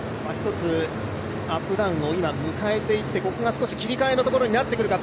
アップダウンを迎えていって、ここが切り替えのところになってくるか。